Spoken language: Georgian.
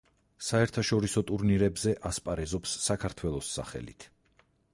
საერთაშორისო ტურნირებზე ასპარეზობს საქართველოს სახელით.